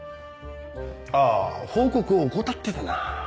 あぁ報告を怠ってたな。